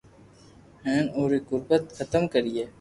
ھين اپو ري غربت ختم ڪرئي